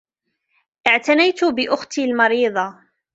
اعتنيت بأختي المريضة.